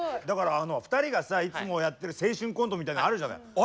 だから２人がさいつもやってる青春コントみたいなのあるじゃない。